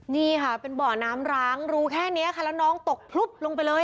นี่ค่ะเป็นบ่อน้ำร้างรู้แค่นี้ค่ะแล้วน้องตกพลุบลงไปเลย